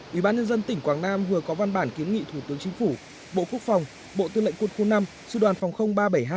ủy ban nhân dân tỉnh quảng nam vừa có văn bản kiếm nghị thủ tướng chính phủ bộ quốc phòng bộ tư lệnh quân khu năm sư đoàn phòng ba trăm bảy mươi hai